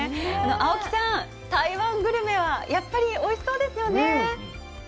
青木さん、台湾グルメは、やっぱりおいしそうですよね！